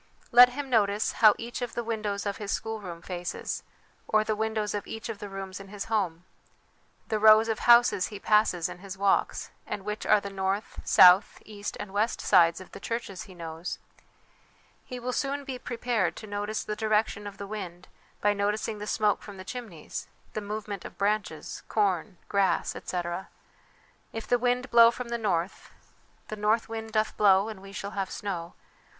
Let him notice how each of the windows of his schoolroom faces, or the windows of each of the rooms in his home; the rows of houses he passes in his walks, and which are the north, south, east and west sides of the churches he knows. He will soon be prepared to notice the direction of the wind by noticing the smoke from the chimneys, the movement of branches, corn, grass, etc. If the wind blow from the north The north wind doth blow and we shall have snow.'